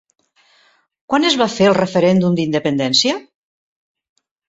Quan es va fer el referèndum d'independència?